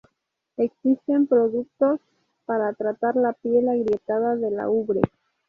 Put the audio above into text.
Existen productos para tratar la piel agrietada de la ubre.